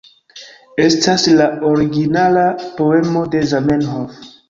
Estas la originala poemo de Zamenhof